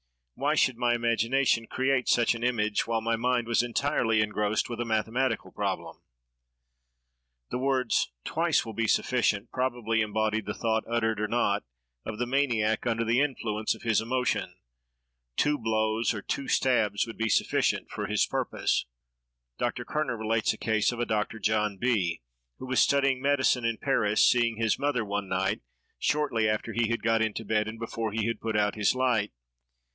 Why should my imagination create such an image, while my mind was entirely engrossed with a mathematical problem?" The words "Twice will be sufficient." probably embodied the thought, uttered or not, of the maniac, under the influence of his emotion—two blows or two stabs would be sufficient for his purpose. Dr. Kerner relates a case of a Dr. John B——, who was studying medicine in Paris, seeing his mother one night, shortly after he had got into bed, and before he had put out his light.